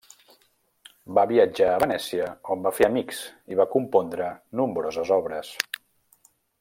Va viatjar a Venècia on va fer amics i va compondre nombroses obres.